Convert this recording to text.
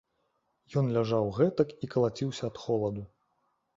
Ён ляжаў гэтак і калаціўся ад холаду.